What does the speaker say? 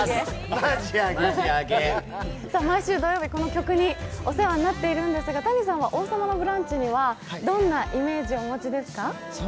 毎週土曜日、この曲にお世話になっているんですが、Ｔａｎｉさんは「王様のブランチ」にはどんなイメージをお持ちですか？